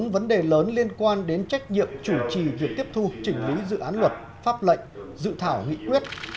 bốn vấn đề lớn liên quan đến trách nhiệm chủ trì việc tiếp thu chỉnh lý dự án luật pháp lệnh dự thảo nghị quyết